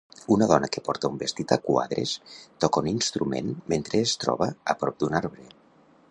Una dona que porta un vestit a quadres toca un instrument mentre es troba a prop d'un arbre.